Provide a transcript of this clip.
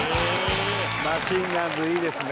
マシンガンズいいですね！